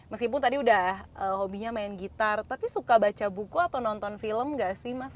meskipun tadi udah hobinya main gitar tapi suka baca buku atau nonton film gak sih mas